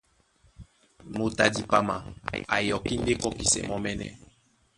Moto a dipama a yɔkí ndé kɔ́kisɛ mɔ́mɛ́nɛ́.